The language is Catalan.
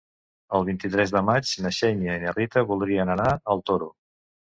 El vint-i-tres de maig na Xènia i na Rita voldrien anar al Toro.